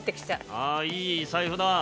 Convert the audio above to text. ああいい財布だ。